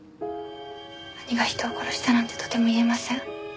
兄が人を殺したなんてとても言えません。